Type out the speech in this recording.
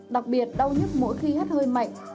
đặc biệt đau nhức mỗi khi hắt hơi mạnh